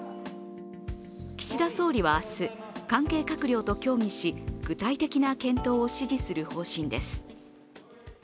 岸田総理は明日、関係閣僚と協議し具体的な検討を指示する方針です。